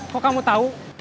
kok kamu tahu